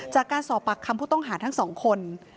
จากการสอบปากคำผู้ต้องหาทั้งสองคน